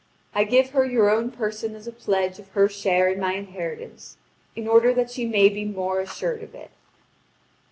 I give her your own person as a pledge of her share in my inheritance, in order that she may be more assured of it."